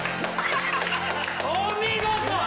お見事！